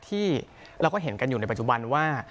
ที่เราก็เห็นกันอยู่ในปัจจุบันว่า